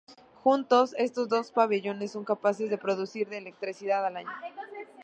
Juntos, estos dos pabellones son capaces de producir de electricidad al año.